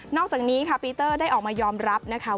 อกจากนี้ค่ะปีเตอร์ได้ออกมายอมรับนะคะ